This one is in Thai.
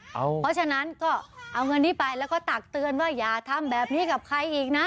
เพราะฉะนั้นก็เอาเงินนี้ไปแล้วก็ตักเตือนว่าอย่าทำแบบนี้กับใครอีกนะ